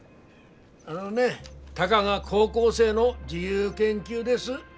あのねたかが高校生の自由研究です。